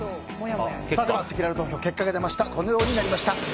せきらら投票の結果はこのようになりました。